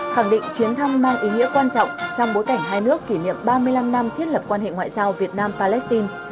khẳng định chuyến thăm mang ý nghĩa quan trọng trong bối cảnh hai nước kỷ niệm ba mươi năm năm thiết lập quan hệ ngoại giao việt nam palestine